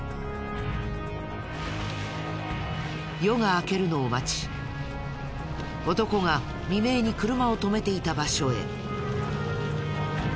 夜が明けるのを待ち男が未明に車を止めていた場所へ。